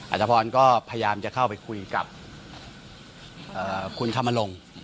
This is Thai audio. อาจจะพรก็พยายามจะเข้าไปคุยกับคุณธรรมลง